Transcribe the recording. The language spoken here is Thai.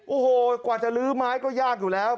โอ้โหกว่าจะลื้อไม้ก็ยากอยู่แล้ว